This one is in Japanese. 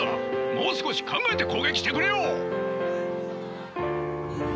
もう少し考えて攻撃してくれよ！